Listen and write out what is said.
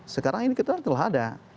sekarang ini kita telah ada